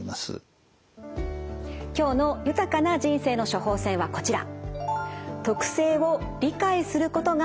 今日の豊かな人生の処方せんはこちら。